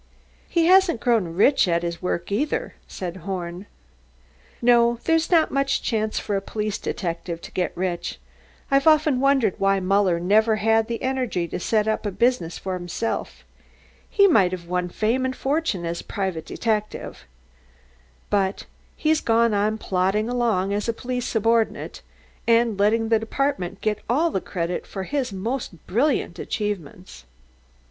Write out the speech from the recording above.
"He hasn't grown rich at his work, either," said Horn. "No, there's not much chance for a police detective to get rich. I've often wondered why Muller never had the energy to set up in business for himself. He might have won fame and fortune as a private detective. But he's gone on plodding along as a police subordinate, and letting the department get all the credit for his most brilliant achievements.